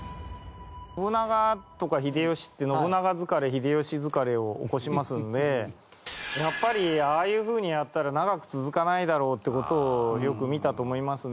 信長とか秀吉って信長疲れ秀吉疲れを起こしますのでやっぱりああいうふうにやったら長く続かないだろうって事をよく見たと思いますね。